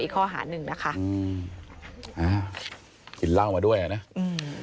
อีกข้ออาหารหนึ่งนะคะอืมหินล่างออกมาด้วยอ่ะนะอืม